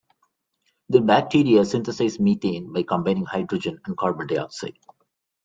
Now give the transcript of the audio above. The bacteria synthesize methane by combining hydrogen and carbon dioxide.